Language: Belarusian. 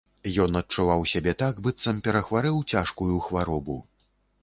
Ён адчуваў сябе так, быццам перахварэў цяжкую хваробу.